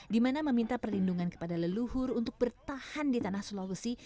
dimana meminta perlindungan kepada leluhur untuk bertahan di tanah sulawesi